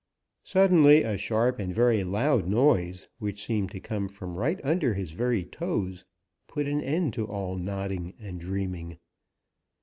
Suddenly a sharp and very loud noise, which seemed to come from right under his very toes, put an end to all nodding and dreaming.